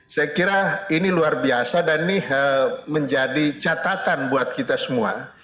saya kira ini luar biasa dan ini menjadi catatan buat kita semua